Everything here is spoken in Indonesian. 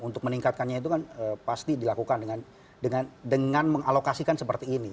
untuk meningkatkannya itu kan pasti dilakukan dengan mengalokasikan seperti ini